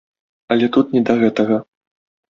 Але тут не да гэтага.